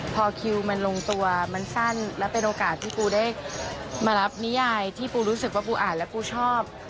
พอคิวมันลงตัวมันสั้นและเป็นโอกาสที่ปูได้มารับนิยายที่ปูรู้สึกว่าปูอ่านแล้วกูชอบ